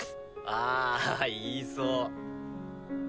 ああ言いそう。